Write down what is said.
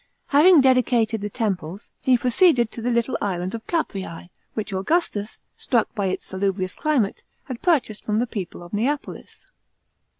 Having dedicated the temples, he proceeded to the little island of Caprese, which Augustus, struck by its salubrious climate, had purchased from the people of Neapolis.